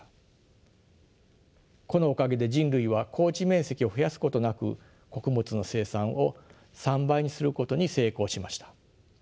このおかげで人類は耕地面積を増やすことなく穀物の生産を３倍にすることに成功しました。